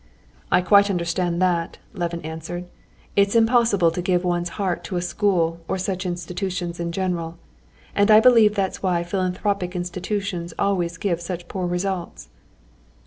"I quite understand that," Levin answered. "It's impossible to give one's heart to a school or such institutions in general, and I believe that's just why philanthropic institutions always give such poor results."